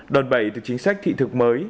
đòn bẩy từ chính sách thị thực mới